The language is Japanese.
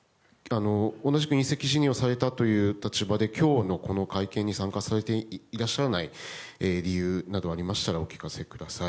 同じく引責辞任をされた立場で今日の会見に参加されていらっしゃらない理由などがありましたらお聞かせください。